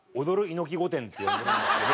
猪木御殿！！」って呼んでるんですけど。